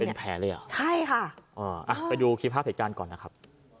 ใช่ค่ะไปดูคลิปภาพเหตุการณ์ก่อนนะครับ